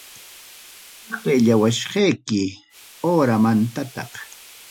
Saqellawasqayki horamantaqa.